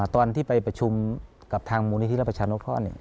ตอนที่ไปประชุมกับทางมูลนิธิรับประชานุเคราะห์